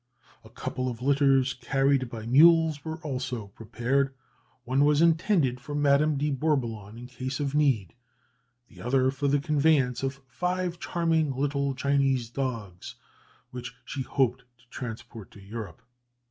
A couple of litters, carried by mules, were also prepared; one was intended for Madame de Bourboulon, in case of need, the other for the conveyance of five charming little Chinese dogs which she hoped to transport to Europe.